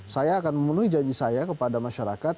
saya akan memenuhi janji saya kepada masyarakat